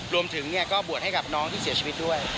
รวมถึงก็บวชให้กับน้องที่เสียชีวิตด้วย